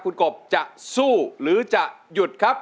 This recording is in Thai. คุณกบจะสู้หรือจะหยุดครับ